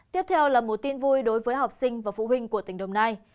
tiếp theo là một tin vui đối với học sinh và phụ huynh của tỉnh đồng nai